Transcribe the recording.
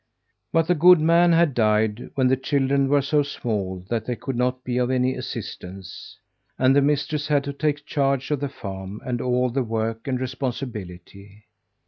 But the good man had died when the children were so small that they could not be of any assistance, and the mistress had to take charge of the farm, and all the work and responsibility.